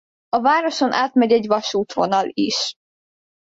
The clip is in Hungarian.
A városon átmegy egy vasútvonal is.